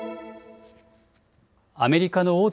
アメリカの大手